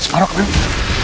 jangan lakukan ini